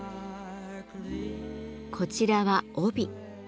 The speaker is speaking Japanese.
こちらは帯。